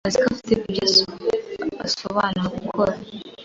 azi ko afite ibyo asobanura gukora.